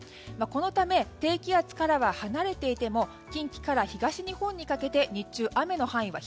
このため低気圧からは離れていても近畿から東日本にかけて日中、雨の範囲は